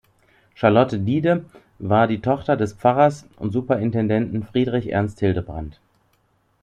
Charlotte Diede war die Tochter des Pfarrers und Superintendenten "Friedrich Ernst Hildebrand".